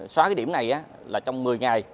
xóa điểm này trong một mươi ngày